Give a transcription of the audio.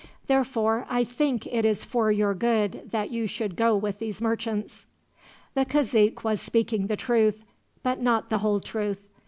Therefore I think it is for your good that you should go with these merchants." The cazique was speaking the truth, but not the whole truth.